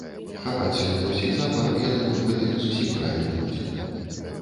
Хапаць сёння ўсіх запар, я думаю, гэта не зусім правільна будзе.